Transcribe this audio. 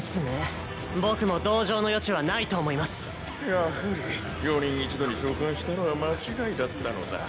やはり４人一度に召喚したのは間違いだったのだ。